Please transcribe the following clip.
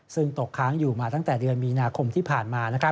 ซึ่งตกค้างอยู่มาตั้งแต่เดือนมีนาคมที่ผ่านมา